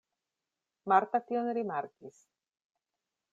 Marta tion rimarkis.